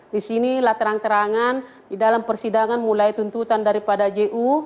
di sinilah terang terangan di dalam persidangan mulai tuntutan daripada ju